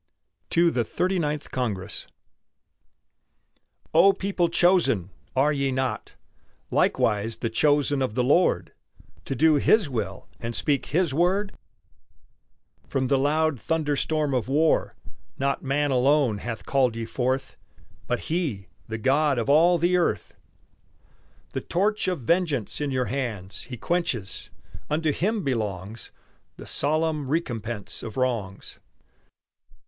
TO THE THIRTY NINTH CONGRESS O people chosen! are ye not Likewise the chosen of the Lord, To do His will and speak His word? From the loud thunder storm of war Not man alone hath called ye forth, But He, the God of all the earth! The torch of vengeance in your hands He quenches; unto Him belongs The solemn recompense of wrongs.